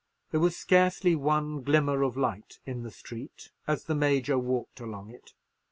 There was scarcely one glimmer of light in the street as the Major walked along it.